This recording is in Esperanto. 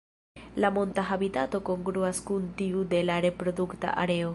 La monta habitato kongruas kun tiu de la reprodukta areo.